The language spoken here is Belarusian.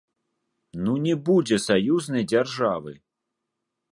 Ну не будзе саюзнай дзяржавы!